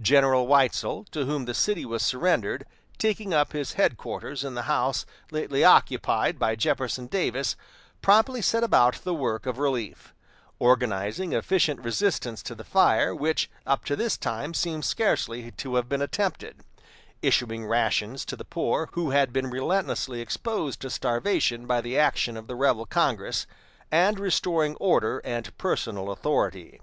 General Weitzel, to whom the city was surrendered, taking up his headquarters in the house lately occupied by Jefferson Davis, promptly set about the work of relief; organizing efficient resistance to the fire, which, up to this time, seems scarcely to have been attempted; issuing rations to the poor, who had been relentlessly exposed to starvation by the action of the rebel Congress; and restoring order and personal authority.